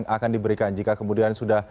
akan diberikan jika kemudian sudah